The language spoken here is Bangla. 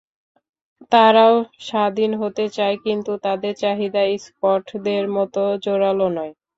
তারাও স্বাধীন হতে চায়, কিন্তু তাদের চাহিদা স্কটদের মতো জোরালো নয়।